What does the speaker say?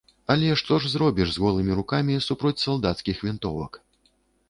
Але што ж зробіш з голымі рукамі супроць салдацкіх вінтовак?